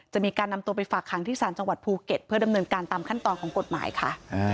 จะมีการนำตัวไปฝากขังที่ศาลจังหวัดภูเก็ตเพื่อดำเนินการตามขั้นตอนของกฎหมายค่ะ